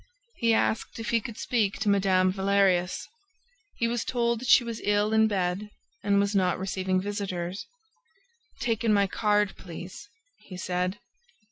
He asked if he could speak to Mme. Valerius. He was told that she was ill in bed and was not receiving visitors. "Take in my card, please," he said.